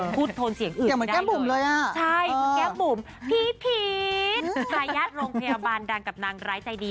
พูดโทนเสียงอื่นไม่ได้๕